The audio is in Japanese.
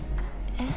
えっ？